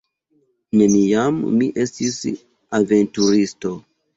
Neniam mi estis aventuristo.